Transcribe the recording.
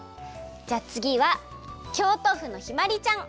じゃあつぎは京都府のひまりちゃん。